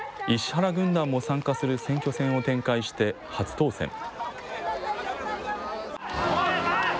石原軍団も参加する選挙戦を展開して、初当選。